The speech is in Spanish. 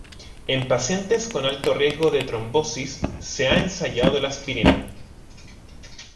En pacientes con alto riesgo de trombosis se ha ensayado la aspirina.